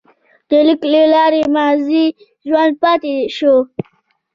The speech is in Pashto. د لیک له لارې ماضي ژوندی پاتې شو.